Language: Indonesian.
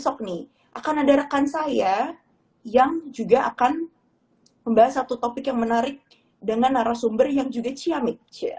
besok nih akan ada rekan saya yang juga akan membahas satu topik yang menarik dengan narasumber yang juga ciamik